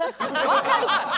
わかるから。